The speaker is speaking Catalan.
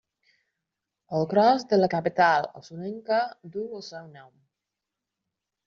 El cros de la capital osonenca duu el seu nom.